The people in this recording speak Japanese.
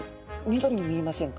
緑に見えませんか？